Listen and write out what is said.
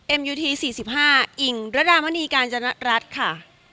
เอ็มยูทีสี่สิบห้าอิงฯรรามณีการรัตรัตค่ะ